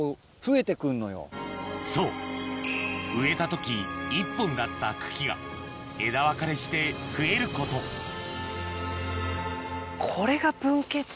そう植えた時１本だった茎が枝分かれして増えることそうそう。